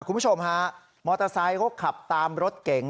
คุณผู้ชมฮะมอเตอร์ไซค์เขาขับตามรถเก๋ง